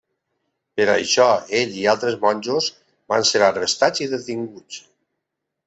Per això ell i altres monjos van ser arrestats i detinguts.